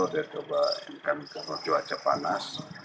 dia coba ikan kecoh cuaca panas